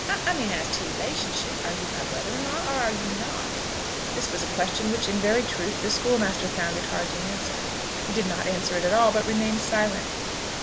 "I mean as to relationship. Are you my brother in law, or are you not?" This was a question which in very truth the schoolmaster found it hard to answer. He did not answer it at all, but remained silent.